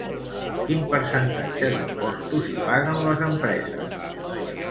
Quin percentatge d'impostos hi paguen les empreses?